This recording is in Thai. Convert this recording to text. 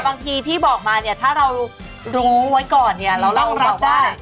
บางทีที่บอกมาเนี่ยถ้าเรารู้ไว้ก่อนเนี่ยเราต้องรับได้